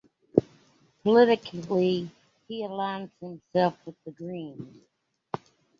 Politically, he aligns himself with The Greens.